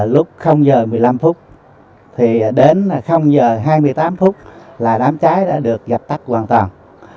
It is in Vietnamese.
lúc h một mươi năm phút đến h hai mươi tám phút là đám cháy đã được gặp tắc hoàn toàn